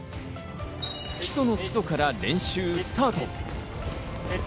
基礎の基礎から練習スタート。